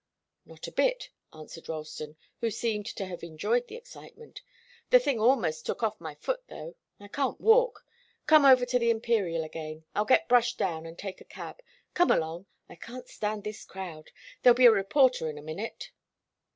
"Not a bit," answered Ralston, who seemed to have enjoyed the excitement. "The thing almost took off my foot, though. I can't walk. Come over to the Imperial again. I'll get brushed down, and take a cab. Come along I can't stand this crowd. There'll be a reporter in a minute."